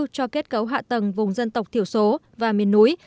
cho kết cấu hạ tầng vùng dân tộc thiểu số và miền núi